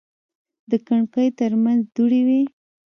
د کړکۍ ترمنځ دوړې وې.